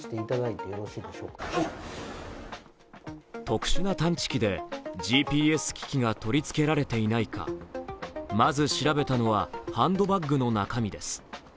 特殊な探知機でＧＰＳ機器が取り付けられていないかまず調べたのは、ハンドバッグの中身です。